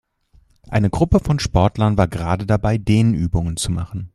Eine Gruppe von Sportlern war gerade dabei, Dehnübungen zu machen.